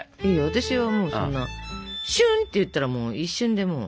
私はもうそんなシュンっていったら一瞬でもう。